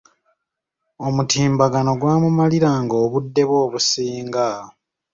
Omutimbagano gwamumaliranga obudde bwe obusinga.